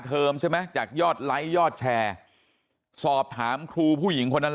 เทอมใช่ไหมจากยอดไลค์ยอดแชร์สอบถามครูผู้หญิงคนนั้น